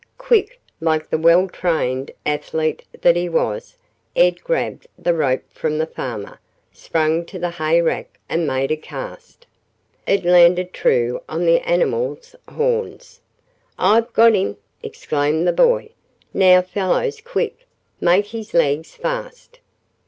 Quick, like the well=trained athlete that he was, Ed grabbed the rope from the farmer, sprang to the hay rack and made a cast. It landed true on the animal's horns. "I've got him!" exclaimed the boy. "Now, fellows, quick! Make his legs fast."